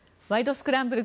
スクランブル」